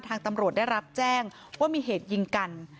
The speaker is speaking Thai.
ทางตำรวจได้รับแจ้งว่ามีเหตุยิงกัน